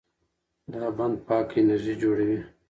دا بند پاکه انرژي جوړوي.